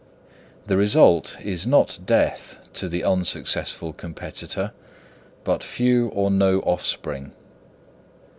The result is not death to the unsuccessful competitor, but few or no offspring.